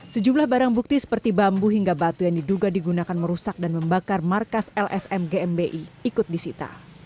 sejumlah barang bukti seperti bambu hingga batu yang diduga digunakan merusak dan membakar markas lsm gmbi ikut disita